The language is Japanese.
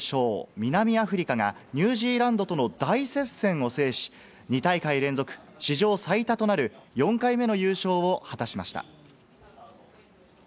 南アフリカがニュージーランドとの大接戦を制し、２大会連続、史上最多となる４回目の優勝を果たしました。